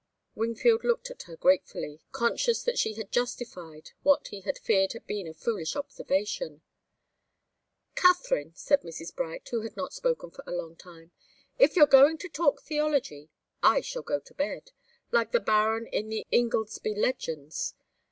Wingfield looked at her gratefully, conscious that she had justified what he had feared had been a foolish observation. "Katharine," said Mrs. Bright, who had not spoken for a long time, "if you're going to talk theology, I shall go to bed like the baron in the Ingoldsby legends.